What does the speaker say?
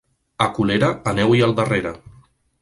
A Colera, aneu-hi al darrere.